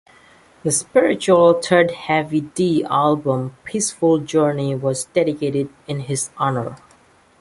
The spiritual third Heavy D album, "Peaceful Journey" was dedicated in his honor.